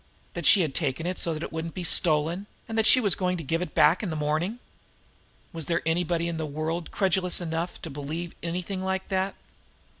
That she had taken it so that it wouldn't be stolen, and that she was going to give it back in the morning? Was there anybody in the world credulous enough to believe anything like that!